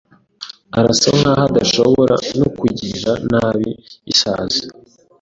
Arasa nkaho adashobora no kugirira nabi isazi.